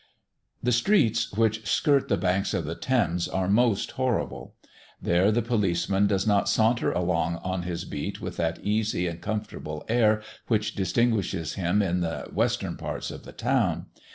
The streets which skirt the banks of the Thames are most horrible. There the policeman does not saunter along on his beat with that easy and comfortable air which distinguishes him in the western parts of the town.